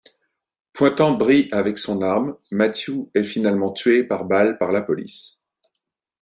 Pointant Bree avec son arme, Matthew est finalement tué par balle par la police.